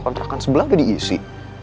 kontrakan sebelah udah diisi